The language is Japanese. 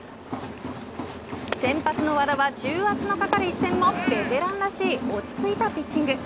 先発の和田は重圧のかかる一戦もベテランらしい落ち着いたピッチング。